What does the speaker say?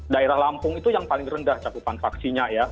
daerah lampung itu yang paling rendah cakupan vaksinnya ya